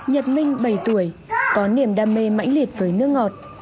nhật minh bảy tuổi có niềm đam mê mãnh liệt với nước ngọt